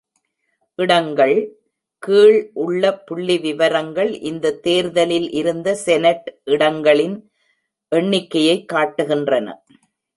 "இடங்கள்" கீழ் உள்ள புள்ளிவிவரங்கள் இந்த தேர்தலில் இருந்த செனட் இடங்களின் எண்ணிக்கையை காட்டுகின்றன.